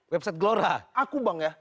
website gelora aku bang ya